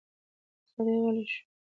سړی غلی شو.